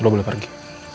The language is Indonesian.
lo boleh pergi